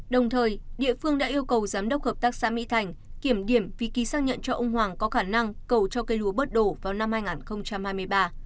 đồng thời địa phương đã yêu cầu giám đốc hợp tác xã mỹ thành kiểm điểm việc ký xác nhận cho ông hoàng có khả năng cầu cho cây lúa bớt đổ vào năm hai nghìn hai mươi ba